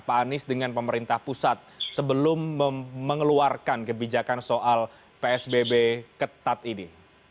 pak anies dengan pemerintah pusat sebelum mengeluarkan kebijakan soal psbb ketat ini